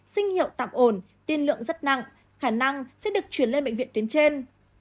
sinh hiệu tạm ổn tiên lượng rất nặng khả năng sẽ được chuyển lên bệnh viện tuyến trên